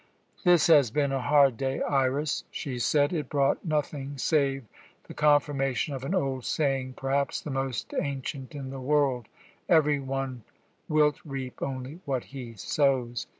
"This has been a hard day, Iras," she said; "it brought nothing save the confirmation of an old saying, perhaps the most ancient in the world: 'Every one wilt reap only what he sows.